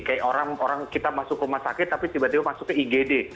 kayak orang kita masuk rumah sakit tapi tiba tiba masuk ke igd